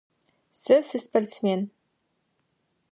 Сэ сыспортсмен.